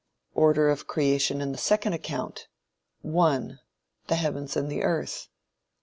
Order of creation in the second account: 1. The heavens and the earth.